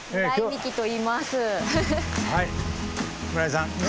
はい村井さん。